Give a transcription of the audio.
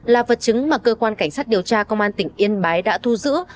là vật chứng mà cơ quan cảnh sát điều tra công an tỉnh yên bái đã thu giữ